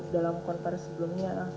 dalam kontar sebelumnya